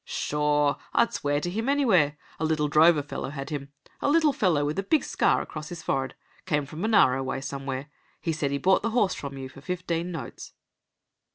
"Sure! I'd swear to him anywhere. A little drover fellow had him. A little fellow, with a big scar across his forehead. Came from Monaro way somewhere. He said he bought the horse from you for fifteen notes."